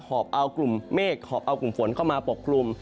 อบเอากลุ่มเมฆหอบเอากลุ่มฝนเข้ามาปกคลุม